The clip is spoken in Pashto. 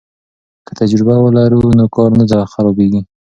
که تجربه ولرو نو کار نه خرابیږي.